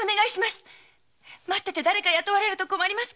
待っててだれか雇われると困りますから！